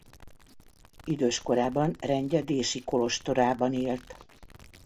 Idős korában rendje dési kolostorában élt.